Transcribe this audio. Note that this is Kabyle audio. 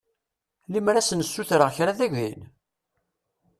Lemmer ad sen-ssutreɣ kra ad agin?